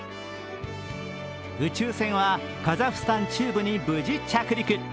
宇宙船はカザフスタン中部に無事、着陸。